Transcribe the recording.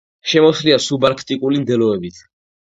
შემოსილია სუბარქტიკული მდელოებით.